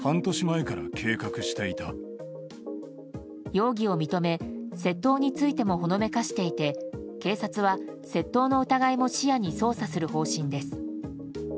容疑を認め窃盗についてもほのめかしていて警察は窃盗の疑いも視野に捜査する方針です。